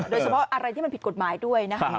โดยเฉพาะอะไรที่มันผิดกฎหมายด้วยนะคะ